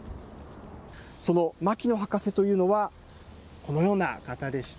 その牧野博士というのはこのような方でした。